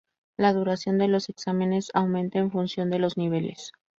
La duración de los exámenes aumenta en función de los niveles.